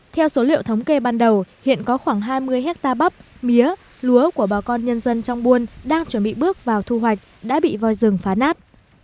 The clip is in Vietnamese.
theo số liệu thống kê ban đầu hiện có khoảng hai mươi hectare bắp mía của bà con nhân dân trong buôn đang chuẩn bị bước vào thu hoạch đã bị voi rừng phá nát